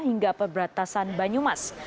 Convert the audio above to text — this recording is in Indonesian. hingga perbatasan banyumas